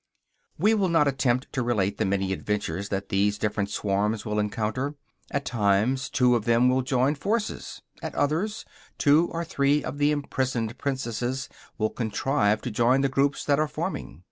We will not attempt to relate the many adventures that these different swarms will encounter. At times, two of them will join forces; at others, two or three of the imprisoned princesses will contrive to join the groups that are forming.